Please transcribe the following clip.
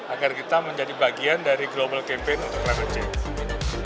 agar kita menjadi bagian dari global campaign untuk private change